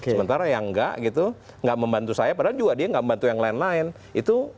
sementara yang enggak gitu gak membantu saya padahal juga dia gak membantu yang lain lain itu jadi dosa